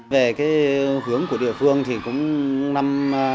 về hướng của địa phương thì cũng năm hai nghìn một mươi sáu